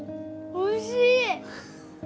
おいしい。